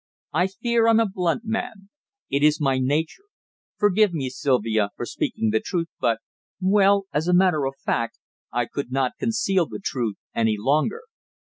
I fear I'm a blunt man. It is my nature. Forgive me, Sylvia, for speaking the truth, but well, as a matter of fact, I could not conceal the truth any longer."